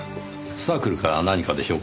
サークルか何かでしょうか？